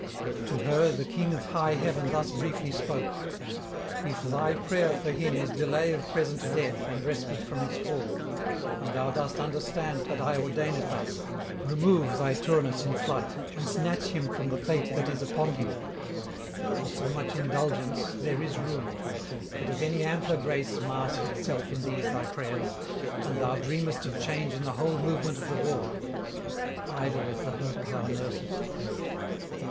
To her the king of high heaven thus briefly spoke: 'If thy prayer for him is delay of present death and respite from his fall, and thou dost understand that I ordain it thus, remove thy Turnus in flight, and snatch him from the fate that is upon him. For so much indulgence there is room. But if any ampler grace mask itself in these thy prayers, and thou dreamest of change in the whole movement of the war, idle is the hope thou nursest.'